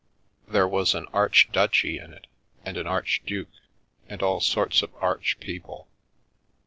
There was an archduchy in it, and an archduke, and all sorts of arch people.